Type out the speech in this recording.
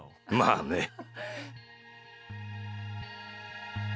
まあね。